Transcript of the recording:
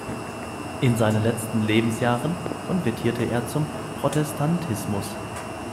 In seinen letzten Lebensjahren konvertierte er zum Protestantismus.